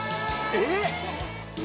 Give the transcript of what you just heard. えっ？